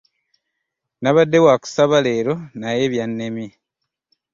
Nabadde wa kusaba leero naye byannemye.